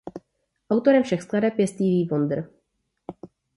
Autorem všech skladeb je Stevie Wonder.